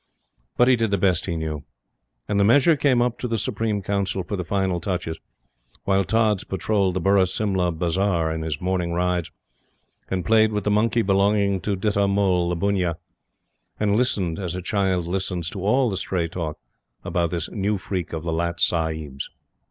But he did the best he knew. And the measure came up to the Supreme Council for the final touches, while Tods patrolled the Burra Simla Bazar in his morning rides, and played with the monkey belonging to Ditta Mull, the bunnia, and listened, as a child listens to all the stray talk about this new freak of the Lat Sahib's.